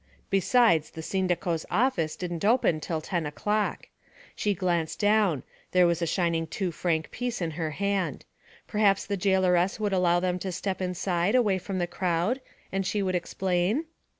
Besides, the sindaco's office didn't open till ten o'clock. She glanced down; there was a shining two franc piece in her hand. Perhaps the jailoress would allow them to step inside away from the crowd, and she would explain?